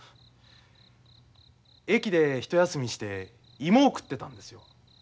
駅でひと休みして芋を食ってたんですよ。